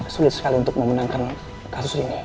sulit sekali untuk memenangkan kasus ini